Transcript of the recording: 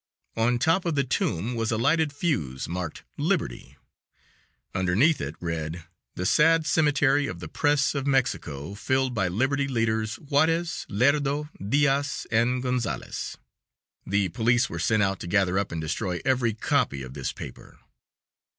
On top of the tomb was a lighted fuse marked "Liberty." Underneath it read, "The sad cemetery of the Press of Mexico, filled by liberty leaders, Juarez, Lerdo, Diaz and Gonzales." The police were sent out to gather up and destroy every copy of this paper.